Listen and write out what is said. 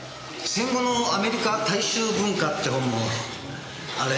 『戦後のアメリカ大衆文化』っていう本もあれ